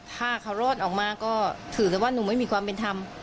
ถ้าเขารอดออกมาก็ถือแต่ว่าหนูไม่มีความเป็นธรรม